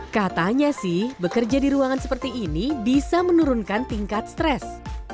katanya sih bekerja di ruangan seperti ini bisa menurunkan tingkat stres